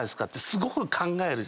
すごく考えんの？